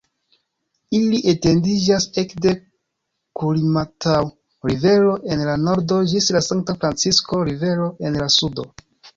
Ili etendiĝas ekde Kurimataŭ-Rivero en la nordo ĝis la Sankta-Francisko-Rivero en la sudo.